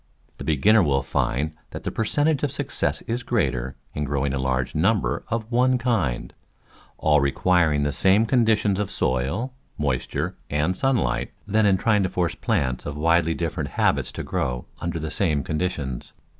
The beginner will find that the per centage of success is greater in growing a large num ber of one kind, all requiring the same conditions of soil, moisture and sunlight, than in trying to force plants of widely different habits to grow under the same conditions.